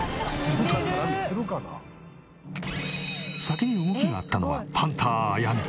先に動きがあったのはハンター采実。